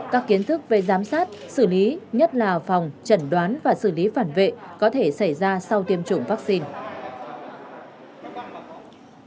các kiến thức về giám sát xử lý nhất là phòng chẩn đoán và xử lý phản vệ có thể xảy ra sau tiêm chủng vaccine